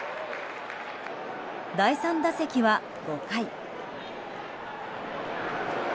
第３打席は５回。